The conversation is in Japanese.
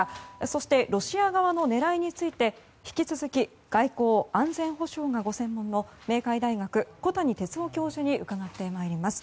そしてロシア側の狙いについて引き続き外交・安全保障がご専門の明海大学小谷哲男教授に伺ってまいります。